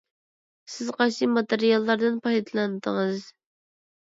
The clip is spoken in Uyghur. سىز قايسى ماتېرىياللاردىن پايدىلاندىڭىز؟